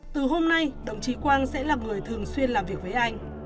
từ hôm nay đồng chí quang sẽ là người thường xuyên làm việc với anh